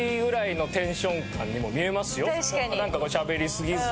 なんかしゃべりすぎず。